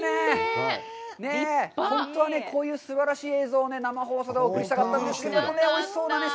本当はこういうすばらしい映像を生放送でお送りしたかったんですけれどもね。